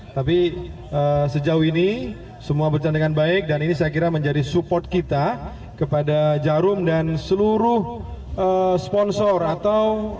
tapi sejauh ini semua berjalan dengan baik dan ini saya kira menjadi support kita kepada jarum dan seluruh sponsor atau